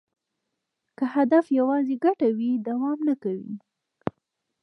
که هدف یوازې ګټه وي، دوام نه کوي.